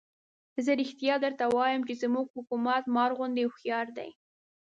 زه رښتیا درته وایم چې زموږ حکومت مار غوندې هوښیار دی.